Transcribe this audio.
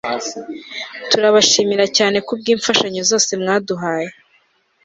turabashimira cyane kubwimfashanyo zose mwaduhaye